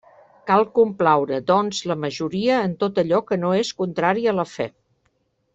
Cal complaure, doncs, la majoria en tot allò que no és contrari a la fe.